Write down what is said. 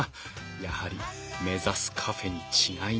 やはり目指すカフェに違いないはず。